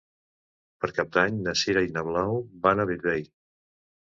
Per Cap d'Any na Sira i na Blau van a Bellvei.